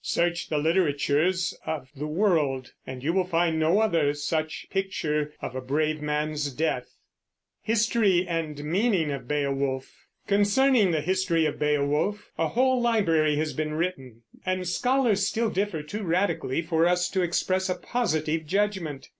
Search the literatures of the world, and you will find no other such picture of a brave man's death. Concerning the history of Beowulf a whole library has been written, and scholars still differ too radically for us to express a positive judgment.